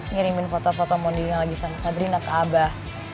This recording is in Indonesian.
ngirimin foto foto mondi yang lagi sama sabrina ke abah